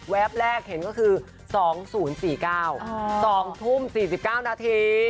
แรกเห็นก็คือ๒๐๔๙๒ทุ่ม๔๙นาที